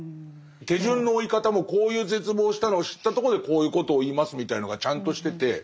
手順の追い方も「こういう絶望をしたのを知ったとこでこういうことを言います」みたいのがちゃんとしてて。